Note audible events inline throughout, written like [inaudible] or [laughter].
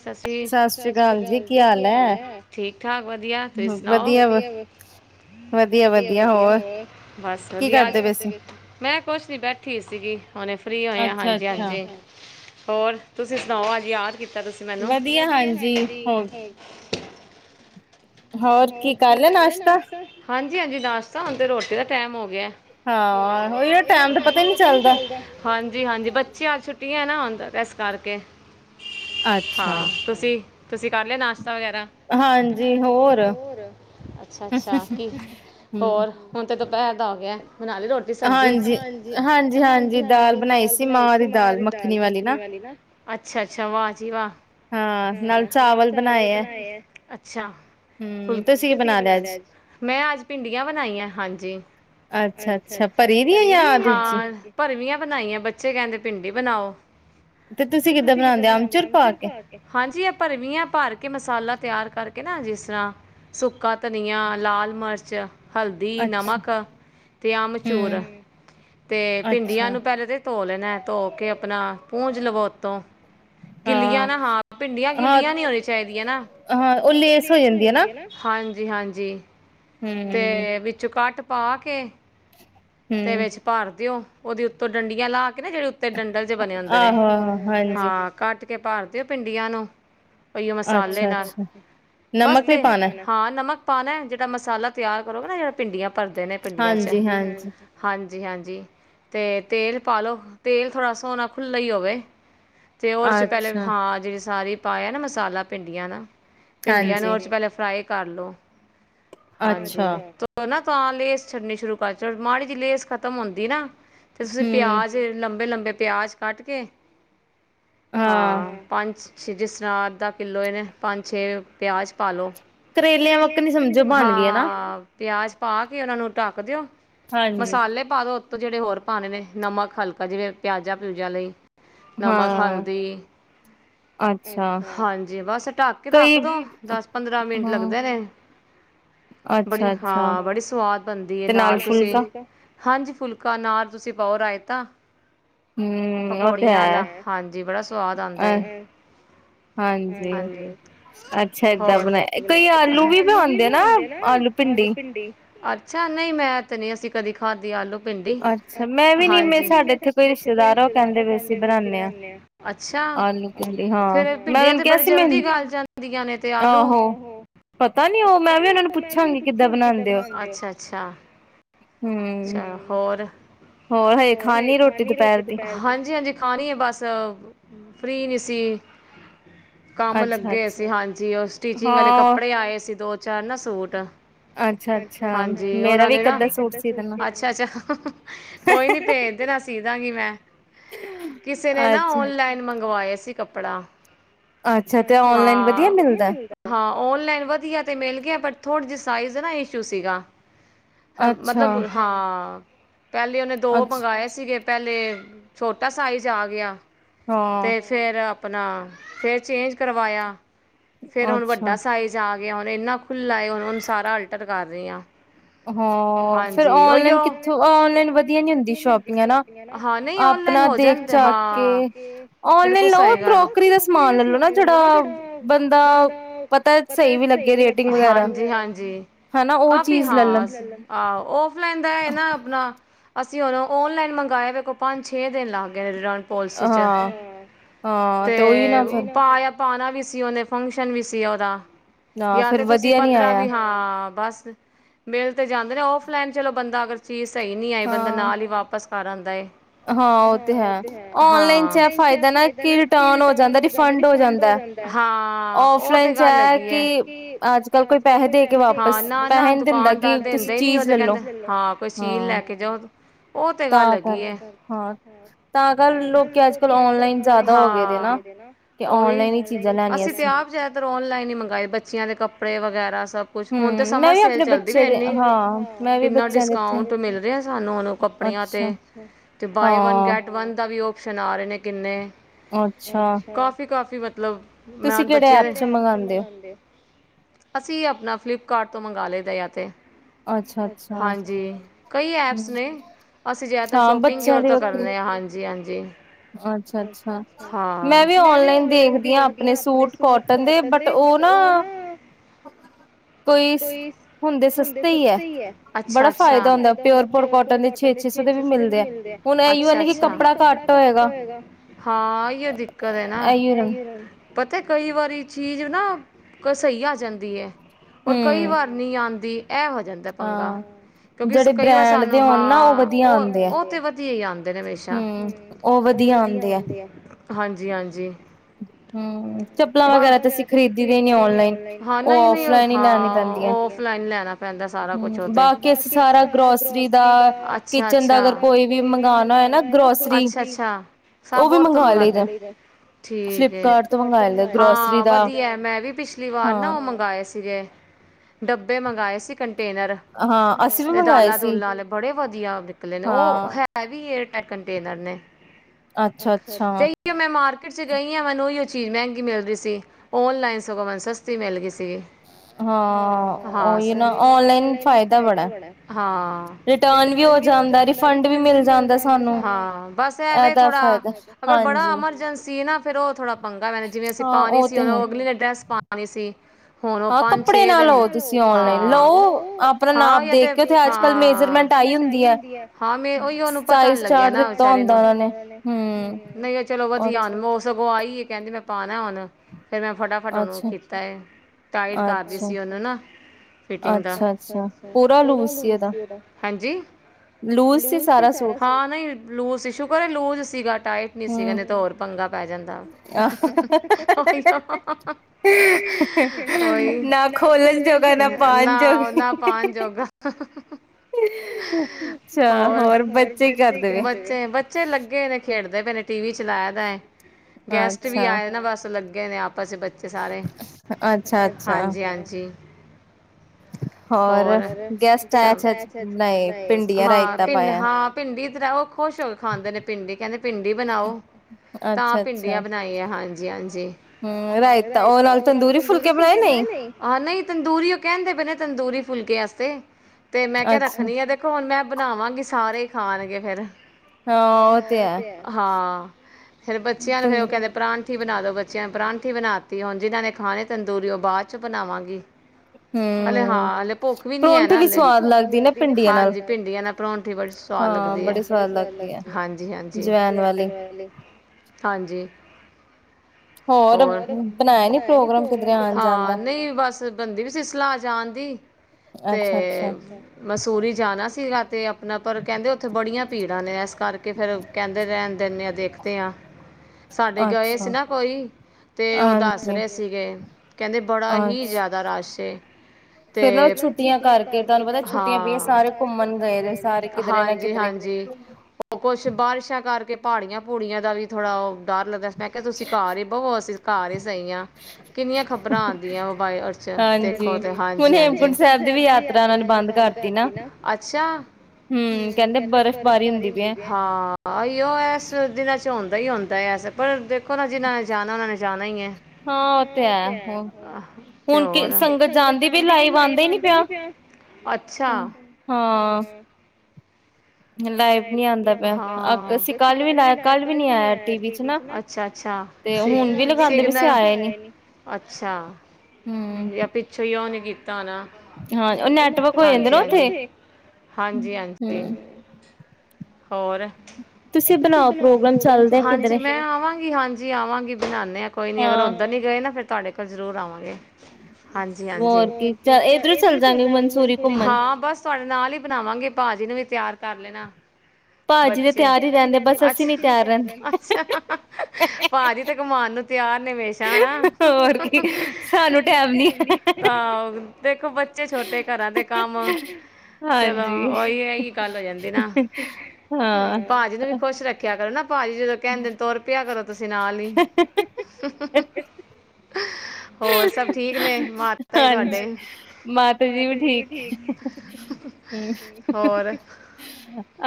ਸਤਿ ਸ਼੍ਰੀ ਅਕਾਲ ਜੀ। ਕੀ ਹਾਲ ਹੈ? ਠੀਕ ਠਾਕ, ਵਧੀਆ। ਤੁਸੀਂ ਸੁਣਾਓ। ਬ ਵ, ਮੈਂ ਕੁਛ ਨੀ। ਬੈਠੀ ਸੀਗੀ ਹਣੇ, ਫ੍ਰੀ ਹੋਏ ਆ। ਹਜੀ, ਹਾਂਜੀ। ਹੋਰ ਤੁਸੀਂ ਸੁਣਾਓ। ਅੱਜ ਯਾਦ ਕਿ? ਤੁਸੀਂ ਮੈਨੂੰ ਵਧੀਆ ਹੈਗੇ। ਹੋਰ ਕੀ ਗੱਲ, ਨਾਸ਼ਤਾ, ਹਾਂਜੀ। ਹਾਂਜੀ ਹਾਂਜੀ ਦਸਤਾ ਹ ਤੇ ਰੋਟੀ ਦਾ ਟਾਈਮ ਹੋ ਗਿਆ ਹਾਂ, ਉਹ ਟੈਮ ਦਾ ਪਤਾ ਹੀ ਨਹੀਂ ਚੱਲਦਾ। ਕੁਟੀਆਂ ਨਾ ਆਉਦਾ, ਇਸ ਕਰਕੇ। ਹਾਂ, ਤੁਸੀਂ। ਤੁਸੀਂ, ਕਰ ਲਿ ਨਾਸ਼ਤਾ, ਵਗੈਰਾ ਹ ਹੋਰ, ਅੱਛਾ ਅੱਛਾ। ਹੋਰ ਹੁਣ ਤੇ ਦੁਪਹਿਰ ਦਾ। ਹੈ ਬਣਾ ਲ ਰੋਟੀ, ਸਬਜ਼ੀ। ਹਾਂਜੀ, ਹਾਂਜੀ, ਹਾਂਜੀ। ਦਾਲ ਬਣਾਈ ਸੀ, ਮਾਂ ਦੀ ਦਾਲ ਮੱਖਣੀ ਵਾਲੀ, ਨਾ। ਅੱਛਾ, ਅੱਛਾ। ਵਾਹ ਜੀ, ਵਾਹ। ਹਾਂ, ਨਾਲ ਚਾਵਲ ਬਣਾਏ ਆ। ਅੱਛਾ। ਫੁ, ਬਣਾ। ਮੈਂ ਅੱਜ ਭਿੰਡੀਆਂ ਬਣਾਈਆਂ, ਹਾਂਜੀ। ਆ, ਅੱਛਾ। ਹਰੀਆਂ ਬਣਾਈਆਂ। ਬੱਚੇ ਕਹਿੰਦੇ, ਭਿੰਡੀ ਬਣਾਓ। ਤੇ ਤੁਸੀਂ ਕਿੱਦਾਂ ਬਣਾਦੇ? ਅਮਚੁਰ ਪਾ ਕੇ, ਹਾਂਜੀ। ਇਹ ਭਰਵੀਆਂ, ਭਰ ਕੇ ਮਸਾਲਾ ਤਿਆਰ ਕਰਕੇ। ਨਾ ਜਿਸ। ਸੁੱਕਾ ਧਨੀਆ, ਲਾਲ ਮਿਰਚ। ਹਲਦੀ, ਨਮਕ ਤੇ ਆਮਚੂਰ। ਤੇ ਭਿੰਡੀਆਂ ਨੂੰ ਪਹਿਲੇ ਤੇ? ਧੋ ਲੈਣਾ। ਧੋ ਕੇ ਆਪਣਾ ਪੂੰਜ ਲਵੋ, ਤੋਂ। ਗਿੱਲੀਆਂ ਨਾ। ਹਾਂ, ਭਿੰਡੀਆਂ ਗਿੱਲੀਆਂ ਨੀ ਹੋਣੀਆਂ ਚਾਹੀਦੀਆਂ, ਨਾ? ਹੋ ਜਾਂਦੀ ਨਾ ਹਾਂਜੀ ਹਾਂਜੀ ਹਾਂਜੀ ਤੇ ਵਿੱਚ ਕੱਟ ਪਾ ਕੇ ਤੇ ਵਿੱਚ ਭਰ ਦਿਓ ਉਹਦੇ ਉੱਤੋਂ ਡੰਡੀਆਂ ਲਾ ਕੇ ਜਿਹੜੇ ਉੱਤੇ ਡੰਡਲ ਚ ਬਣੇ ਹੁੰਦੇ ਨੇ ਹਾਂ ਕੱਟ ਤੇ ਭਰ ਦਿਓ ਭਿੰਡੀਆਂ ਨੂੰ ਪਈਓ ਮਸਾਲੇ ਨਾਲ ਬਸ ਤੇ ਹਾਂ ਨਮਕ ਪਾਉਣਾ ਜਿਹੜਾ ਮਸਾਲਾ ਤਿਆਰ ਕਰੋ ਨਾ ਜਿਹੜਾ ਭਿੰਡੀਆਂ ਭਰਦੇ ਨੇ ਭਿੰਡੀਆਂ ਚ ਹਾਂਜੀ ਹਾਂਜੀ ਤੇ ਤੇਲ ਪਾ ਲਓ ਤੇਲ ਥੋੜ੍ਹਾ ਸੋਹਣਾ ਖੁੱਲ੍ਹਾ ਹੀ ਹੋਵੇ ਅਤੇ ਉਹਦੇ 'ਚ ਪਹਿਲੇ ਹਾਂ ਜਿਹੜੀ ਸਾਰੀ ਪਾਇਆ ਨਾ ਮਸਾਲਾ ਭਿੰਡੀਆਂ ਦਾ ਭਿੰਡੀਆਂ ਉਹਦੇ 'ਚਲੇ ਫਰਾਈ ਕਰ ਲਓ ਹਾਂਜੀ ਤ ਨਾ ਤਾਂ ਲੇਸ ਛੱਡਨੀ ਸ਼ੁਰੂ ਕਰ ਚ ਮਾੜੀ ਜ ਲੇਸ ਖ਼ਤਮ ਹੁੰਦੀ ਨਾ ਤੇ ਤੁਸੀਂ ਪਿਆਜ ਲੰਬੇ ਲੰਬੇ ਪਿਆਜ ਕੱਟ ਕੇ ਹਾਂ ਪੰਜ ਜਿਸ ਤਰ੍ਹਾਂ ਅੱਧਾ ਕਿੱਲੋ ਨੇ ਪੰਜ ਛੇ ਪਿਆਜ਼ ਪਾਲੋ ਕਰੇਲਿਆਂ ਵਾਕਣ ਹੀ ਸਮਝੋ ਬਣ ਗੇ ਨਾ ਪਿਆਜ ਪਾ ਕੇ ਉਹਨਾ ਨੂੰ ਢੱਕ ਦਿਓ ਮਸਾਲੇ ਪਾ ਦੋ ਤੋਂ ਜਿਹੜੇ ਹੋਰ ਪਾਣੇ ਨੇ ਨਮਕ ਹਲਕਾ ਜਿਵੇਂ ਪਿਆਜ਼ਾ-ਪਿਊਜਾ ਲਈ। ਨਮਕ, ਹਲਦੀ ਹਾਂਜੀ ਬਸ ਢੱਕ ਕੇ ਰੱਖ ਦੋ। ਦਸ ਪੰਦਰਾਂ ਮਿੰਟ ਲੱਗਦੇ ਨੇ ਬੜੀ ਹਾਂ ਬੜੀ ਸਵਾਦ ਬਣਦੀ ਨਾਲ ਤੁਸੀਂ ਹਾਂਜੀ ਫੁਲਕਾ ਨਾਲ ਤੁਸੀਂ ਪਾਓ ਰਾਇਤਾ। ਪਕੌੜੀਆਂ ਦਾ ਹਾਂਜੀ ਬੜਾ ਸਵਾਦ ਆਉਂਦਾ ਹੈ ਹਾਂਜੀ। ਅੱਛਾ ਆਲੂ ਵੀ ਬਾਉਂਦੇ ਆ ਨਾ ਆਲੂ ਭਿੰਡੀ ਅੱਛਾ ਨਹੀਂ ਮੈਂ ਤੇ ਨਹੀਂ ਅਸੀਂ ਕਦੀ ਖਾਦੀ ਆਲੂ ਭਿੰਡੀ ਹਾਂਜੀ ਰਿਸ਼ਤੇਦਾਰ ਹ ਉਹ ਕਹਿੰਦੇ ਪਏ ਸੀ ਬਣਾਉਂਦੇ ਆਂ। ਅੱਛਾ ਫਿਰ ਭਿੰਡੀਆਂ ਤੇ ਬੜੀ ਜਲਦੀ ਗੱਲ ਜਾਂ [unintelligible] ਤੇ ਆਲੂ ਮੈਂ ਵੀ ਉਹਨਾਂ ਨੂੰ ਪੁੱਛਾਂਗੀ ਕਿ ਕਿੱਦਾਂ ਬਣਾਉਂਦੇ ਹੋ ਅੱਛ ਅਛਾ ਹੋਰ ਖਣੀ ਰੋਟੀ ਹਾਂਜੀ-ਹਾਂਜੀ ਖਾਣੀ ਹੈ ਬਸ ਫ੍ਰਰੀ ਨੀ ਜੀ। ਕੰਮ ਲੱਗੇ ਅਸੀ ਹਾਂ ਉਹ ਸਟੀਚਿੰਗ ਵਾਲੇ ਕੱਪੜੇ ਆਏ ਸੀ ਦੋ ਚਾਰ ਨਾ ਸੂਟ। ਹਾਂਜੀ ਉਹਨਾਂ ਨੇ ਨਾ ਅੱਛਾ-ਅੱਛਾ ਕੋਈ ਨੀ ਭੇਜ ਦੇਣਾ। ਸੀਦਾਂਗੀ ਮੈਂ। ਕਿਸੇ ਨੇ ਨਾ ਓਨਲਾਈਨ ਮੰਗਵਾਏ ਸੀ ਕੱਪੜਾ। ਅੱਛਾ ਤੇ ਔਨਲਾਈਨ ਵਧੀਆ ਮਿਲ ਮਿਲਦਾ ਹਾਂ ਓਨਲਾਈਨ ਵਧੀਆ ਤੇ ਮਿਲ ਗਿਆ ਬ ਥੋੜ੍ਹੀ ਜਿਹੀ ਸਾਈਜ਼ ਨਾ ਇਸ਼ੂ ਸੀਗਾ। ਹ ਮਤਲਬ ਹਾਂ। ਪਹਿਲੇ ਉਹਨੇ ਦੋ ਮੰਗਵਾਏ ਸੀਗੇ ਪਹਿ ਤੇ ਛੋਟਾ ਸਾਈਜ਼ ਆ ਗਿਆ। ਤੇ ਫੇਰ ਆਪਣਾ ਫਿਰ ਚੇਂਜ ਕਰਵਾਇਆ। ਫਿਰ ਹੁਣ ਵੱਡਾ ਸਾਈਜ਼ ਆ ਹੁਣ ਇੰਨਾ ਖੁੱਲ੍ਹ ਏ ਹੁਣ, ਹੁਣ ਸਾਰਾ ਅਲਟਰ ਕਰ ਰਹੀ ਹਾਂ। ਹਾਂ ਫੇਰ ਓਨਲਾਈਨ ਕਿੱਥੋਂ ਓਨਲਾਈਨ ਵਧੀਆ ਨੀ ਹੁੰਦੀ ਸ਼ੋਪਿੰਗ ਹਨਾ ਆਪਣਾ ਦੇਖ ਚਾਖ ਕੇ ਔਨਲਾਈਨ ਲਓ ਕਰੋਕਰੀ ਦਾ ਸਮਾਨ ਲੈ ਲਓ ਨਾ ਜਿਹੜਾ ਬੰਦਾ ਪਤਾ ਸਹੀ ਵੀ ਲੱਗੇ ਰੇਟਿੰਗ ਵਗੈਰਾ ਹਨਾ ਉਹ ਚੀਜ਼ ਆਹੋ ਓਫਲਾਈਨ ਦਾ ਨਾ ਆਪਣਾ ਅਸੀਂ ਉਹਨੂੰ ਔਨਈਨ ਮੰਗਇਆ ਵੇ ਕੋਲ ਪੰਜ ਛੇ ਦਿਨ ਲੱਗ ਗਏ ਨੇ ਪੋਲਿਸੀ 'ਚ ਹਾਂ ਤੇ ਉਹੀ ਨਾ ਫਿਰ ਪਾਉਣਾ ਵੀ ਸੀ ਉਹਨੇ ਫੰਕਸ਼ਨ ਵੀ ਸੀ ਉਹਦਾ ਜਾਂ ਤੇ ਤੁਸੀਂ ਪੰਦਰਾਂ ਵੀ ਹਾਂ ਬਸ ਮੇਲ ਤੇ ਜਾਂਦੇ ਨੇ ਔਫਲਾਈਨ ਚਲੋ ਬੰਦਾ ਅਗਰ ਚਜ਼ ਸਹੀ ਨਹੀਂ ਆਏ ਬੰਦਾ ਨਾਲ ਹੀ ਵਾਪਸ, ਕਾਰ ਦਾ ਹੈ। ਹਾਂ ਉਹ ਤੇ ਹੈ ਔਨਲਾਈਨ ਚੈ ਵਿੱਚ ਇਹ ਫਾਇਦਾ ਨਾ ਕੀ ਰਿਟਰਨ ਹੋ ਜਾਂਦਾ, ਰਿਫੰਡ ਹੋ ਜਾਂਦਾ। ਹਾਂ ਉਹ ਤੇ ਗੱਲ ਹੈਗੀ ਐ। ਕਿ ਅੱਜ-ਕੱਲ ਕੋਈ ਪੈਹੇ ਦੇ ਕੇ। ਨਾ-ਨਾ ਦੁਕਾਨਦਾਰ ਦਿੰਦੇ ਈ ਨੀ ਉਹ ਤੇ ਕਹਿੰਦੇ, ਹਾਂ ਕੋਈ ਰਸੀਦ ਲੈ ਕੇ ਜਾਓ, ਉਹ ਤੇ ਗੱਲ ਹੈਗੀ। ਹਾਂ, ਤਾਂ ਅ ਕੱਲ ਲੋਕੀ ਅੱਜ-ਕੱਲ। ਹਾਂ, ਉਹੀ ਅਸੀਂ ਤੇ ਆਪ, ਜ਼ਿਆਦਾਤਰ ਓਨਲਾਈਨ ਈ, ਮੰਗਾਏ ਬੱਚਿਆਂ ਦੇ ਕੱਪੜੇ ਵਗੈਰਾ ਸਭ ਕੁਛ ਹੁਣ ਤੇ, ਜਮਾ ਸੇਲ ਚੱਲਦੀ ਪਈ ਐਨੀ, ਕਿੰਨਾ ਡਿਸਕਾਊਂਟ ਮਿਲ ਰਿਹਾ, ਸਾਨੂੰ-ਓਨੂੰ ਕੱਪੜਿਆਂ ਤੇ ਤੇ ਬਾਏ ਵਨ, ਗੈਟ ਵਨ ਦਾ ਵੀ ਉਹ ਸਿਨਆਰੇ ਨੇ? ਕਿੰਨੇ? ਕਾਫੀ ਕਾਫੀ ਮਤਲਬ ਮੈਂ ਉਣ ਬੱਚਿਆਂ ਦੇ, ਅਸੀਂ ਐਪ ਚਲਾਂਦੇ, ਅਸੀਂ ਆਪਣਾ ਫਲਿਪ ਕਾਰਟ ਤੋਂ ਮੰਗਾ ਲੇ, ਦੇਇਆ ਤੇ। ਹਾਂਜੀ, ਕਈ ਐਪਸ ਨੇ, ਅਸੀਂ ਜਿਆਦਾਤਰ ਸ਼ੋਪਿੰਗ ਯੋਰ ਤੋਂ, ਕਰ ਰੇ ਆ ਹਾਂਜੀ-ਹਾਂਜੀ। ਦੇ ਅੱਛਾ-ਅੱਛਾ, ਹਾਂ। ਮੈਂ ਵੀ ਓਨਲਾਈਨ ਦੇਖਦੀ ਆ ਆਪਣੇ ਸੂਟ ਕੋਟਨ ਦੇ ਬਟ ਉਹ ਨਾ, ਕੋਈ ਹੁੰਦੇ ਸਸਤੇ ਈ ਐ। ਅੱਛਾ-ਅੱਛਾ। ਬੋਤ ਫਾਇਦਾ ਹੁੰਦਾ ਪਿਉਰ ਪਰ ਕੋਟਨ ਦੇ ਛੇ-ਛੇ ਸੌ ਦੇ ਵੀ ਮਿਲਦੇ ਐ। ਅੱਛਾ-ਅੱਛਾ। ਹੁਣ ਏਓ ਆ ਨਾ ਵੀ ਕੱਪੜਾ ਘੱਟ ਹੋਏਗਾ ਹਾਂ ਏਓ, ਦਿੱਕਤ ਏ ਨਾ, ਏਓ‌ ਰਣ। ਪਤ ਤੇ ਕਈ ਵਾਰੀ ਚੀਜ਼ ਨਾ ਬਿਲਕੁਲ ਸਈ ਆ ਜਾਂਦੀ ਐ। ਔਰ ਕਈ ਵਾਰ, ਨੀ ਆਦੀ। ਇਹ ਹੋ ਜਾਂਦਾ ਪੰਗਾ, ਕਿਉਂਕਿ ਸ ਕਈ ਵਾਰ ਸਾਨੂੰ ਹਾਂ, ਉਹ-ਉਹ ਤੇ ਵਧੀਆ ਈ ਆਦੇ ਨੇ ਹਮੇਸ਼ਾ। ਦੀ ਆਂਦੇ ਆ। ਹਾਂਜੀ-ਹਾਂਜੀ। [inaudible] ਸਭ [unintelligible] ਤੋਂ ਮੰਗਵਾਦੇ [unintelligible] ਠੀਕ [unintelligible] ਹਾਂ ਵਧੀਆ ਮੈਂ ਵੀ ਪਿਛਲੀ ਵਾਰ ਨਾ ਉਹ ਮੰਗਵਾਏ ਸੀ। [unintelligible] ਡੱਬੇ ਮੰਗਵਾਏ ਸੀ [unintelligible] [unintelligible] ਤੇ ਦਾਲਾ ਦੁਲਾ ਬੜੇ ਵਧਦੀ ਦੀਆ। ਨਿਕਲੇ ਨੇ ਉਹ ਹੈ ਵੀ ਏਅਟਤ। ਇਹ ਕੰਟੇਨਰ ਨੇ। ਅੱਛਾ ਅੱਛਾ ਤੇਹੀ ਇਕ ਮੈਂ ਮਾਰ ਕੇ। ਮਾਰਕੀਟ ਚ ਗਈ ਆ ਮੈਨੂੰ ਉਹੀ ਉਹ ਚੀਜ਼ ਮਹਿੰਗੀ ਮਿਲ ਰਹੀ ਸੀ। ਔਨਲਾਈਨ ਸਗੋਂ ਮੈਨੂੰ ਸਸਤੀ ਮਿਲ ਗਈ ਸੀ। ਤੇ ਹਾਂ ਸਹੀ ਨਾ ਆਨਲਾਈਨ ਫਾਇਦਾ ਬੜਾ ਹਾਂ ਰਿਟਰਨ ਵੀ ਹੋ ਜਾਂਦਾ ਰਿਫੰਡ ਵੀ ਮਿਲ ਜਾਂਦਾ ਸਾਨੂੰ ਹਾਂ ਬਸ ਐਵੇਂ। ਹਾਂ ਅਗਰ ਬੜਾ ਅਮਰਜੈਂਸੀ। ਚੀਨਾ [unintelligible] ਫਿਰ ਉਹ ਥੋੜਾ ਪੰਗਾ ਮੈ ਜਿਵੇਂ ਅਸੀਂ ਪਾਉਣੀ ਸੀ ਉਹਨੂੰ ਅਗਲੀ ਨੇ ਡਰੈਸ ਪਾਉਣੀ ਸੀ। ਹੁਣ ਉਹ ਪੰਜ ਛੇ ਦਿਨ ਹਾਂ ਹਾਂ ਤੇ ਹਾ ਜਾ ਤੇ ਮੇਜਰਮੈਂਟ ਉਹੀ ਓਨੂੰ ਪਤਾ ਨ ਲੱਗਿਆ ਨਾ ਵਿਚਾਰੇ ਨੂੰ [unintelligible] ਨਹੀਂ ਚਲੋ ਵਧੀਆ ਮੌਸਮ। [unintelligible] ਵੋਹ ਆਈ ਏ ਕਹਿੰਦੀ ਮੈਂ ਪਾਣਾ ਹੁਨ। ਫਿਰ ਮੈਂ ਫਟਾਫਟ ਉਹਨੂੰ ਕੀਤਾ ਹੈ‌ ਟਾਇਟ ਕਰਦੀ ਸੀ ਓਨੂੰ ਨਾ ਫੀਟਿਇੰਗ ਦਾ ਪੂਰਾ ਲੂਜ਼ ਸੀ ਉਹਦਾ। ਹਾਂਜੀ। ਲੂਜ਼ ਸੀ ਸਾਰਾ ਹਾਂ ਨਹੀਂ ਲੂਸ ਇਸ਼ੂ ਲੂਜ਼ ਸੀਗਾ। ਟਾਈਟ ਨੀ ਸੀਗਾ ਨਹੀਂ ਤਾਂ ਹੋਰ ਪੰਗਾ ਪੈ ਜਾਂਦਾ ਹਾਂ ਹਾ ਉਹੀ ਨਾ ਖੋਲਣ ਨਾ ਉਹ ਨਾ ਪਾਉਣ ਜੋਗਾ ਹੋਰ ਬੱਚੇ ਬੱਚੇ ਕੀ ਕਰਦੇ। ਬੱਚੇ ਲੱਗੇ ਨੇ ਖੇਡਦੇ ਪਏ ਨੇ ਟੀ ਵੀ ਚਲਾਇਆ ਦਾ ਆ। ਗੈਸਟ ਵੀ ਆਏ ਨਾ ਬਸ ਲੱਗੇ। ਕਹਿੰਦੇ ਆਪ। ਵੈਸੇ ਬੱਚੇ ਸਾਰੇ ਹਾਂਜੀ ਹਾਂਜੀ। ਹੋਰ ਹਾਂ ਭਿੰਡ ਹਾਂ ਭਿੰਡੀਧਰ ਉਹ ਖੁਸ਼ ਹੋ [unintelligible] ਖਾਂਦੇ ਨੇ ਭਿੰਡੀ ਕਹਿੰਦੇ ਭਿੰਡੀ ਬਣਾਓ ਤਾਂ ਭਿੰਡੀਆਂ ਬਣਾਈ ਆ ਹਾਂਜੀ ਹਾਂਜੀ ਰਾਇਤਾ ਉਹਦੇ ਨਾਲ ਤੰਦੂਰੀ ਫੁਲਕੇ ਬਣਾਏ ਨਹੀਂ। ਨਹੀਂ ਤੰਦੂਰੀ ਉਹ ਕਹਿੰਦੇ ਪਏ ਨੇ ਤੰਦੂਰੀ ਫੁਲਕੇ ਵਾਸਤੇ। ਤੇ ਮੈਂ ਕਿਹਾ ਰੱਖਣੀ ਆ ਦੇਖੋ ਹੁਣ ਮੈਂ। ਬਣਾਵਾਂਗੀ ਸਾਰੇ ਹੀ ਖਾਣਗੇ ਫੇਰ। ਉਹ ਤੇ ਹੈ ਹਾਂ। ਫੇਰ ਬੱਚਿਆਂ ਨੂੰ‌ ਉਹ ਕਹਿੰਦੇ ਪ੍ਰਰਾ ਰੋਟੀ ਬਣਾ ਦੋ ਬੱਚਿਆਂ ਨੂੰ ਪਰਾਂਠੀ ਬਣਾਤੀ ਹੁਣ ਜਿਨ੍ਹਾਂ ਨੇ ਖਾਣੇ ਤੰਦੂਰੀ ਉਹ ਬਾਅਦ ਚ ਬਣਾਵਾਂਗੀ। ਹਾਲੇ ਹਾਂ ਹਾਲੇ ਭੁੱਖ ਵੀ ਨੀ ਹੈ ਨਾ ਹਾਲੇ ਹਾਂਜੀ ਭਿੰਡੀਆਂ ਨਾਲ ਪਰੋਂਠੀ ਬੜੀ ਸਵਾਦ ਲੱਗਦੀ ਐ ਹਾਂਜੀ ਹਾਂਜੀ। ਹਾਂਜੀ ਹੋਰ ਹਾਂ ਨਹੀਂ ਬਸ ਬੰਦੀ ਵੀ ਸੀ ਸਲਾਹ ਜਾਣ ਦੀ ਤੇ ਮਸੂਰੀ ਜਾਣਾ ਸੀਗਾ ਤੇ ਆਪਣਾ ਪਰ ਕਹਿੰਦੇ ਉਥੇ ਬੜੀਆਂ ਭੀੜਾਂ ਨੇ ਐਸ ਕਰਕੇ ਫੇਰ ਕਹਿੰਦੇ ਰਹਿਣਦੇ ਨੇ ਯਾ ਦੇਖਦੇ ਹਾਂ ਸਾਡੇ ਗਏ ਸੀ ਨਾ ਕੋਈ ਤੇ ਉਹ ਦੱਸ ਰਹੇ ਸੀਗੇ ਕਹਿੰਦੇ ਬੜਾ ਹੀ ਜ਼ਿਆਦਾ ਰਸ਼ ਏ ਤੇ ਹਾਂ ਹਾਂਜੀ ਹਾਂਜੀ ਕੁੱਛ ਬਾਰਿਸ਼ਾਂ ਕਰਕੇ ਪਹਾੜੀਆਂ ਪੂੜੀਆਂ ਦਾ ਵੀ ਥੋੜਾ ਉਹ ਡਰ ਲੱਗ ਮੈਂ ਕਿਹਾ ਤੁਸੀਂ ਘਰ ਹੀ ਬਵੋ ਅਸੀਂ ਘਰ ਹੀ ਸਹੀ ਹਾਂ ਕਿੰਨੀਆਂ ਖ਼ਬਰਾਂ ਆਉਂਦੀਆਂ ਦੇਖੋ ਹਾਂਜੀ ਹਜੀ ਦੀ ਯਾਤੰ ਨਾ ਅੱਛਾ ਹਮ ਕਹਿੰਦੇ ਬਰਫ਼ਬਾਰੀ ਹੁੰ ਹਾਂ ਹਾਂ ਅਹੀਓ ਐਸ ਦਿਨਾਂ ਚ ਆਉਂਦਾ ਹੀ ਹੁੰਦਾ ਹੈਸ ਪਰ [unintelligible] [unintelligible] ਜਿਨਾਂ ਨੇ ਜਾਣਾ ਨਾ ਨੇ ਜਾਣਾ ਹੀ ਹੈ ਅੱਛਾ ਨ ਅਛਾ ਅੱਛਾਗਲ ਅਛਾ ਯ ਪਿੱਛੋਂ ਹੀ ਹੋ [unintelligible] ਨਾ ਨਾ ਹਾਂਜੀ ਹਾਂਜੀ ਹਾਂਜੀ ਹਾਂਜੀ ਹੋਰ ਤੁਸੀ ਬਗ [unintelligible] ਹਾਂਜੀ ਮੈਂ ਆਵਾਂਗੀ ਹਾਂਜੀ ਆਵਾਂਗੀ ਬਣਾੇ ਆ ਕੋਈ ਨੀ ਅਗਰ ਉੱਧਰ ਨੀ ਗਏ ਨਾ ਫਿਰ ਤੁਹਾਡੇ ਕੋਲ ਜ਼ਰੂਰ ਆਵਾਂਗੇ ਹਾਂਜੀ ਹਾਂਜੀ ਹੋ ਇਧਰ ਚਰੀ ਹਾਂ ਬਸ ਤੁਹਾਡੇ ਨਾਲ ਹੀ ਬਣਾਵਾਂਗੇ ਭਾਜੀ ਨੂੰ ਵੀ ਤਿਆਰ ਕਰ ਲੈਣਾ ਬੇ ਰਹਦੇ [unintelligible] ਭਾਜੀ ਤੇ ਕਮਉਣ ਨੂੰ ਤਿਆਰ ਹਮੇਸ਼ਾ ਹਨ ਨਾ ਆਹੋ ਦੇਖੋ ਬੱਚੇ ਛੋਟੇ ਘਰਾਂ ਦੇ ਕੰਮ ਚਲੋ ਉਓਹੀਓ ਗੱਲ ਹੋ ਜਾਂਦੀ ਨਾ ਭਾਜੀ ਨੂੰ ਵੀ ਖੁਸ਼ ਰੱਖਿਆ ਕਰੋ ਨਾ ਭਾਜੀ ਜ ਕਹਿੰਦੇਨ ਤੁਰ ਪਿਆ ਕਰੋ ਤੁਸੀਂ ਨਾਲ ਹੀ ਹੋਰ ਸਭ ਠੀਕ ਨੇ ਮਾਤਾ ਜ ਤੁਹਾਡੇ ਮਾਤਾ ਜੀ ਵੀ ਠੀਕ ਹੋਰ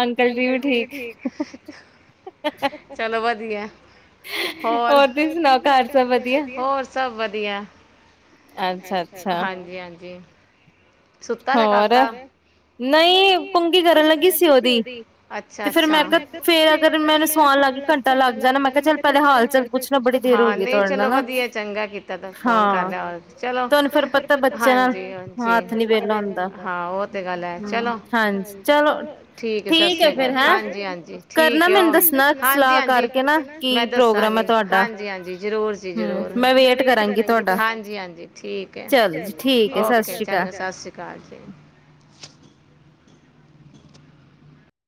ਅੰਕਲ ਜੀ ਵੀ ਠੀਕ ਧ ਹੈ ਹੋਰ ਹੋਰ ਤੁਸੀ ਸੁੀ ਹੋਰ ਸਭ ਵਧੀਆ ਵਦੀਆਂ ਅੱਾ ਹਾਂਜੀ ਹਾਂਜੀ ਹੋਰ ਨਹੀਂ ਪੁੰਗੀ ਕਰਨ ਲ ਮ ਲ ਘੰਟਾ ਲਗ ਨਹੀਂ ਚਲੋ ਵਧੀਆ ਚੰਗਾ ਕੀਤਾ ਫੋਨ ਕਰ ਲ ਚੋ ਹਜੀ [inaudible] ਜੀ ਹਾਂ, ਉਹ ਤੇ ਗੱਲ ਹੈ ਚਲੋ। ਹਾਂਜੀ ਚਲੋ। ਠੀਕ ਏ ਸਤ ਸ੍ਰੀ ਅਕਾਲ। ਠੀਕ ਐ ਫਿਰ। ਹਾਂਜੀ ਹਾਂਜੀ ਠੀਕ ਏ। ਮੈਨੂੰ ਦੱਸਣਾ ਹਾਂਜੀ ਹਾਂਜੀ ਪਤਾ ਕਰਕੇ ਨਾ ਮੈਂ ਦਸਾਂਗੀ ਹਾਂਜੀ ਹਾਂਜੀ ਜਰੂਰ ਜੀ ਜਰੂਰ ਮੈਂ ਵੇਟ ਕਰਾਂਗੀ ਤੁਹਾਡਾ--ਹਾਂਜੀ ਹਾਂਜੀ ਠੀਕ ਏ। ਚਲੋ ਠੀਕ। [unintelligible] ਚੰਗਾ ਸਤਿ ਸ੍ਰੀ ਅਕਾਲ ਜੀ।